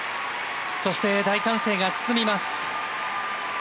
そして、大歓声が包みます。